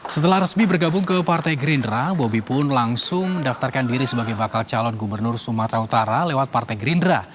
setelah resmi bergabung ke partai gerindra bobi pun langsung mendaftarkan diri sebagai bakal calon gubernur sumatera utara lewat partai gerindra